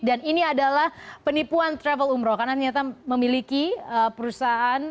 dan ini adalah penipuan travel umroh karena ternyata memiliki perusahaan